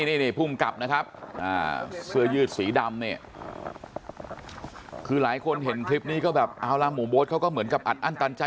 นี่ภูมิกับนะครับเสื้อยืดสีดำเนี่ยคือหลายคนเห็นคลิปนี้ก็แบบเอาละหมู่โบ๊ทเขาก็เหมือนกับอัดอั้นตันใจ